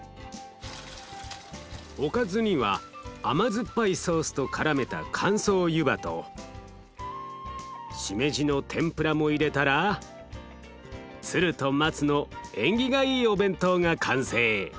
おかずには甘酸っぱいソースとからめた乾燥湯葉としめじの天ぷらも入れたら鶴と松の縁起がいいお弁当が完成。